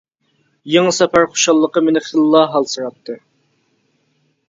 يېڭى سەپەر خۇشاللىقى مېنى خېلىلا ھالسىراتتى.